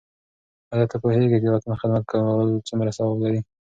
آیا ته پوهېږې چې د وطن خدمت کول څومره ثواب لري؟